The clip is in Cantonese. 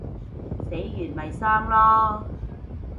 死完咪生囉